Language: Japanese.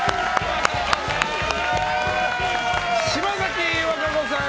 島崎和歌子さん